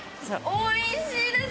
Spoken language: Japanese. おいしいです！